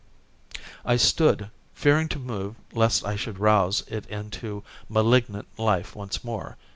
I stood, fearing to move lest I should rouse it into malignant life once more.